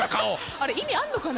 あれ意味あんのかな？